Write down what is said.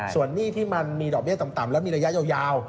ส่วนหนี้ที่มันมีดอกเบี้ยต่ำแล้วมีระยะยาว